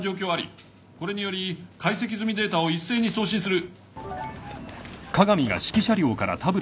これより解析済みデータを一斉に送信する。